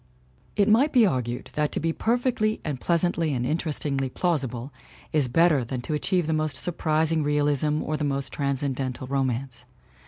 It might be argued that to be perfectly and pleas antly and interestingly plausible is better than to achieve the most surprising realism or the most trans cendental romance.